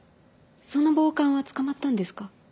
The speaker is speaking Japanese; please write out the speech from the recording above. その暴漢は捕まったんですか？